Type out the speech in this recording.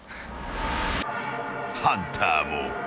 ［ハンターもいる］